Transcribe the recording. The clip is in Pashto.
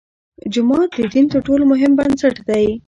جومات د دین تر ټولو مهم بنسټ دی.